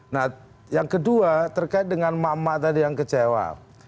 nah yang kedua terkait dengan emak emak tadi yang kecewa